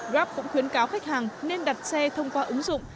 grab cũng khuyến cáo khách hàng nên đặt xe thông qua ứng dụng